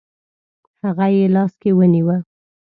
هغه یې لاس کې ونیوه.